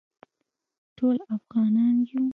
ټول افغانان یو